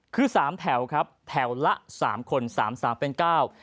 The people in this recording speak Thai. คือสามแถวครับแถวละสามคนสามสามเป็นเก้า